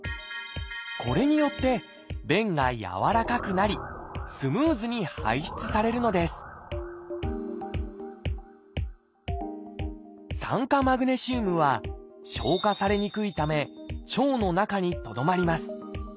これによって便が軟らかくなりスムーズに排出されるのです「酸化マグネシウム」は消化されにくいため腸の中にとどまります。